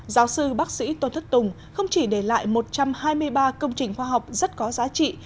giáo sư bác sĩ tôn thất tùng không chỉ để lại một trăm hai mươi ba công trình khoa học rất có giá trị